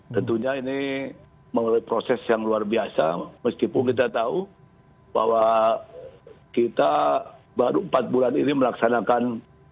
tentunya ini melalui proses yang luar biasa meskipun kita tahu bahwa kita baru empat bulan ini melaksanakan